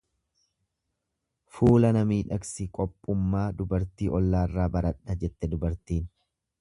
Fuula na miidhagsi qophummaa dubartii ollaarraa baradhaa jette dubartiin.